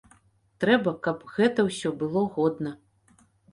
Трэба, каб гэта ўсё было годна.